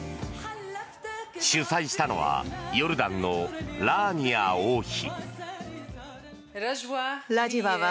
主催したのはヨルダンのラーニア王妃。